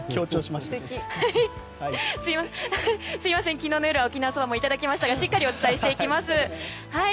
すみません、昨日の夜は沖縄そばもいただきましたがしっかりお伝えしていきます。